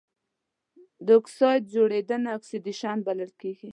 د اکسايډ جوړیدنه اکسیدیشن بلل کیږي.